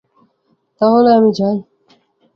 তা হলে আমি যাই।